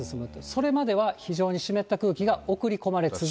それまでは非常に湿った空気が送り込まれ続ける。